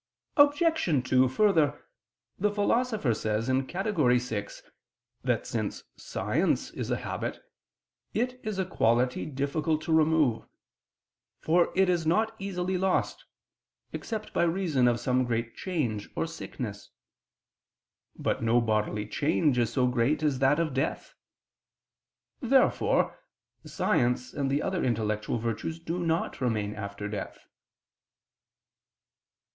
Obj. 2: Further, the Philosopher says (Categor. vi) that since science is a habit, it is a quality difficult to remove: for it is not easily lost, except by reason of some great change or sickness. But no bodily change is so great as that of death. Therefore science and the other intellectual virtues do not remain after death.